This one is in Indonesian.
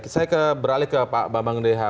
saya beralih ke pak bambang deha